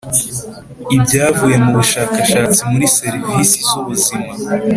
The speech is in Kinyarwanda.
Ibyavuye mu bushakashatsi muri serivisi z ubuzima